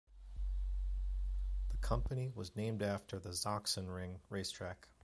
The company was named after the Sachsenring race track.